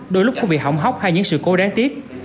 đôi lúc cũng bị hỏng hóc hay những sự cố đáng tiếc